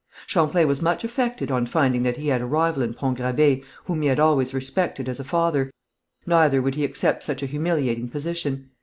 Champlain was much affected on finding that he had a rival in Pont Gravé whom he had always respected as a father, neither would he accept such a humiliating position.